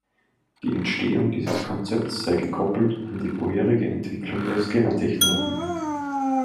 Die Entstehung dieses Konzepts sei gekoppelt an die vorherige Entwicklung der Scanner Technologie.